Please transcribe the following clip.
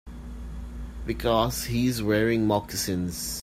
Because he's wearing moccasins.